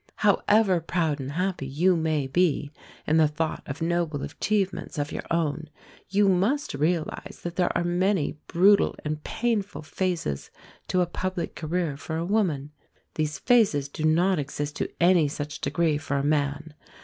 However proud and happy you may be in the thought of noble achievements of your own, you must realize that there are many brutal and painful phases to a public career for a woman. These phases do not exist to any such degree for a man.